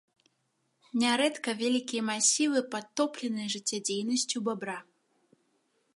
Нярэдка вялікія масівы падтопленыя жыццядзейнасцю бабра.